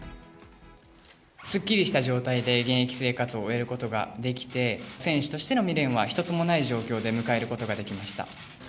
すっきりした状態で現役生活を終えることができて、選手としての未練は一つもない状況で迎えることができました。